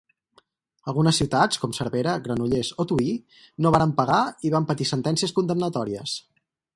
Algunes ciutats, com Cervera, Granollers o Tuïr no varen pagar i van patir sentències condemnatòries.